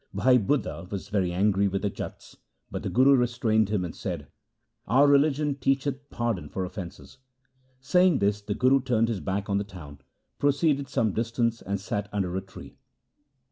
Bhai Budha was very angry with the Jats, but the Guru restrained him and said, ' Our religion teacheth pardon for offences.' Saying this the Guru turned his back on the town, proceeded some distance, and sat under a tree.